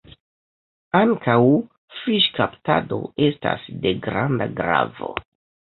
Ankaŭ fiŝkaptado estas de granda gravo.